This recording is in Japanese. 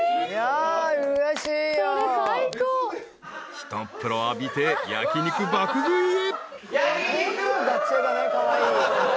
［一っ風呂浴びて焼き肉爆食いへ］